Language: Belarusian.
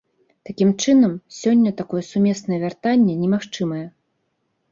Такім чынам, сёння такое сумеснае вяртанне немагчымае.